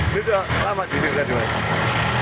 ini udah lama tidur tadi pak